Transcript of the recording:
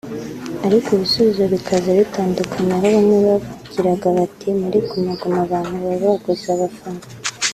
ariko ibisubizo bikaza bitandukanye aho bamwe bagiraga bati muri Guma Guma abantu baba baguze abafana